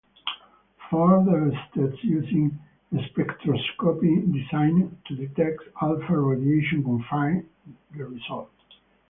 Further tests using spectroscopy designed to detect alpha radiation confirmed the result.